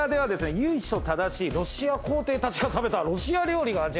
由緒正しいロシア皇帝たちが食べたロシア料理が味わえる。